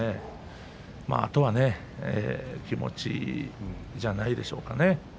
あとは気持ちじゃないでしょうかね。